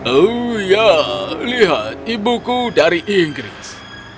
oh ya lihat ibuku dari inggris